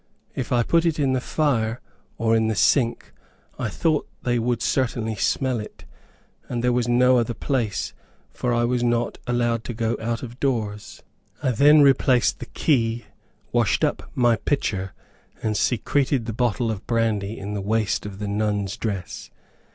If I put it in the fire, or in the sink, I thought they would certainly smell it, and, there was no other place, for I was not allowed to go out of doors. I then replaced the key, washed up my pitcher, and secreted the bottle of brandy in the waist of the nun's dress.